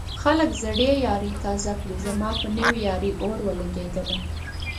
خلکو زړې يارۍ تازه کړې زما په نوې يارۍ اور ولګېدنه